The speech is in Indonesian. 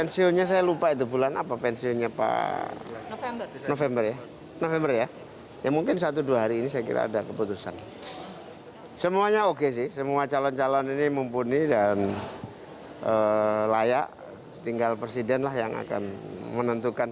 semuanya oke sih semua calon calon ini mumpuni dan layak tinggal presiden lah yang akan menentukan